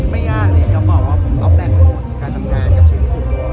ไม่ยากน่ะขอบฟะว่าออกแทนความสุขการทำงานความชีวิตสุด